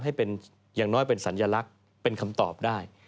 ให้เป็นอย่างน้อยเป็นสัญลักษณ์เป็นคำตอบได้